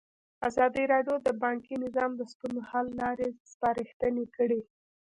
ازادي راډیو د بانکي نظام د ستونزو حل لارې سپارښتنې کړي.